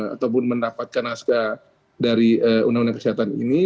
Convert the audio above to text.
atau mendapatkan nasca dari undang undang kesehatan ini